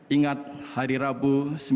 ingat hari rabu